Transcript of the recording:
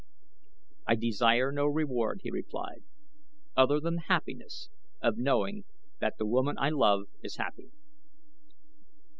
"I desire no reward," he replied, "other than the happiness of knowing that the woman I love is happy."